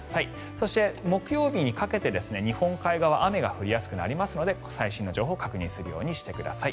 そして、木曜日にかけて日本海側は雨が降りやすくなりますので最新の情報を確認するようにしてください。